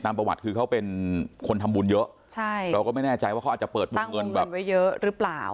ประวัติคือเขาเป็นคนทำบุญเยอะใช่เราก็ไม่แน่ใจว่าเขาอาจจะเปิดวงเงินแบบไว้เยอะหรือเปล่า